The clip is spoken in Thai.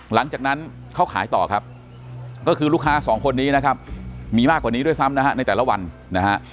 หลังจากนั้นเขาขายต่อครับก็คือลูกค้าสองคนนี้นะครับมีมากกว่านี้ด้วยซ้ำนะฮะในแต่ละวันนะฮะ